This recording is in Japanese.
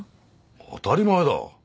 当たり前だ。